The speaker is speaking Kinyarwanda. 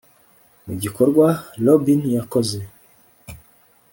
mu gikorwa robine yakoze